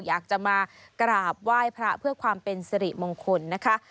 อยากจะมากราบไหว้พระเพื่อความเป็นสิริมงคลนะคะ